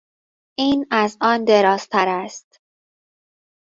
این از آن دراز تر است.